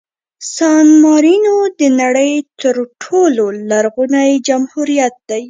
سان مارینو د نړۍ تر ټولو لرغوني جمهوریت دی.